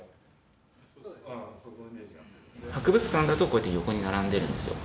博物館だとこうやって横に並んでるんですよ。